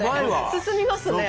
進みますね。